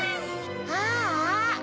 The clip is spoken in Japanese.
ああ。